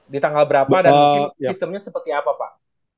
di tanggal berapa dan sistemnya seperti apa pak